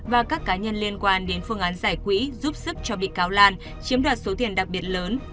và các cá nhân liên quan đến phương án giải quỹ giúp sức cho bị cáo lan chiếm đoạt số tiền đặc biệt lớn